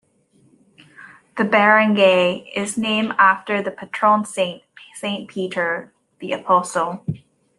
The barangay is named after the patron saint, Saint Peter, the apostle.